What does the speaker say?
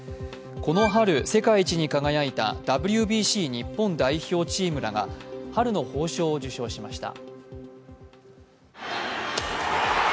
この春、世界一に輝いたＷＢＣ日本代表チームらが春の褒章を受章しました。